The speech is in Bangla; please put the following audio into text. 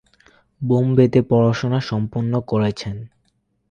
বোম্বেতে পড়াশোনা সম্পন্ন করেছেন।